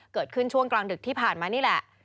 เกิดขึ้นช่วงกลางดึกที่ผ่านมานี่แหละ